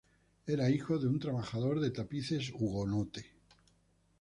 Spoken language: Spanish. Era hijo de un trabajador de tapices hugonote.